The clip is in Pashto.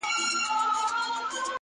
توپونو وراني کړلې خوني د قلا برجونه!!